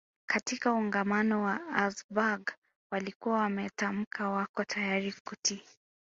Katika Ungamo la Augsburg walikuwa wametamka wako tayari kutii